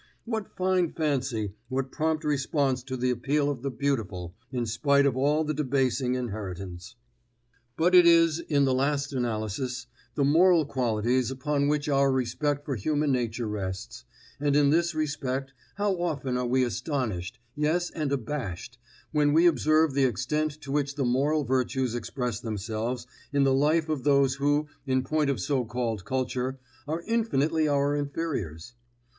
What fine fancy, what prompt response to the appeal of the beautiful, in spite of all the debasing inheritance! But it is, in the last analysis, the moral qualities upon which our respect for human nature rests, and in this respect how often are we astonished, yes and abashed, when we observe the extent to which the moral virtues express themselves in the life of those who, in point of so called culture, are infinitely our inferiors!